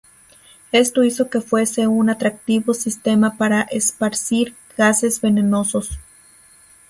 Esto hizo que fuese un atractivo sistema para esparcir gases venenosos.